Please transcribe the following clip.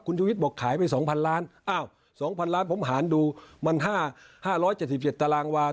คุณชุวิตบอกขายไป๒๐๐ล้านอ้าว๒๐๐ล้านผมหารดูมัน๕๗๗ตารางวา